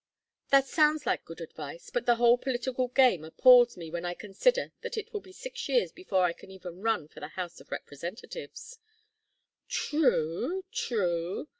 "That sounds like good advice, but the whole political game appals me when I consider that it will be six years before I can even run for the House of Representatives " "True! True!